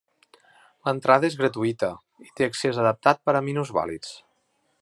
L'entrada és gratuïta i té accés adaptat per a minusvàlids.